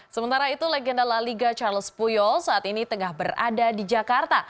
sementara itu legenda la liga charles puyol saat ini tengah berada di jakarta